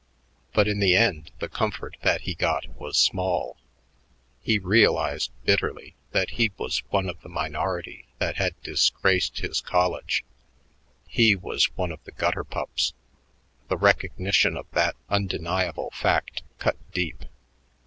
But in the end the comfort that he got was small: he realized bitterly that he was one of the minority that had disgraced his college; he was one of the gutter pups. The recognition of that undeniable fact cut deep.